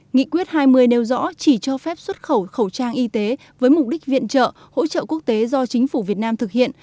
nghị quyết hai mươi nêu rõ chỉ cho phép xuất khẩu khẩu trang y tế với mục đích viện trợ hỗ trợ quốc tế do chính phủ việt nam thực hiện